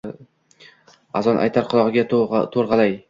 azon aytar qulogʼiga toʼrgʼaylar